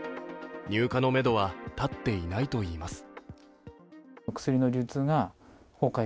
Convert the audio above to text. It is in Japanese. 入荷のめどは立っていないといいます。